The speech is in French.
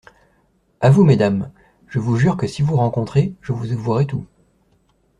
À vous, mesdames ; je vous jure que si vous rencontrez, je vous avouerai tout.